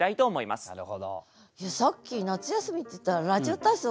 さっき夏休みっていったら「ラジオ体操」